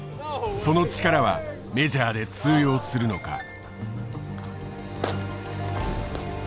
その力はメジャーで通用するのか。